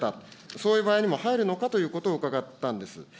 そういう場合にも入るのかということを伺ったんです。